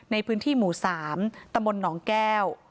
ในพื้นที่หมู่สามตะมนต์หนองแก้ว